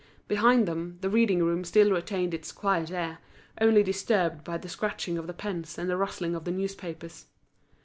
Behind them, the reading room still retained its quiet air, only disturbed by the scratching of the pens and the rustling of the newspapers.